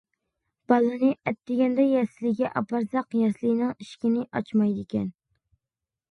بالىنى ئەتىگەندە يەسلىگە ئاپارساق، يەسلىنىڭ ئىشىكىنى ئاچمايدىكەن.